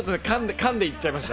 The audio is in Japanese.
缶で行っちゃいました。